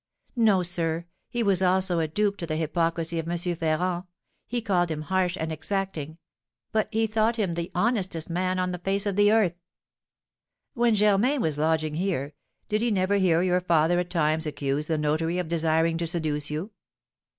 "No, sir, he was also a dupe to the hypocrisy of M. Ferrand; he called him harsh and exacting; but he thought him the honestest man on the face of the earth." "When Germain was lodging here, did he never hear your father at times accuse the notary of desiring to seduce you?"